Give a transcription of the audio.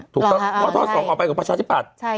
ถูกต้องเพราะท่อ๒ออกไปกับประชาธิปัตย์